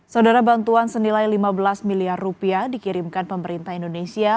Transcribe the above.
saudara bantuan senilai lima belas miliar rupiah dikirimkan pemerintah indonesia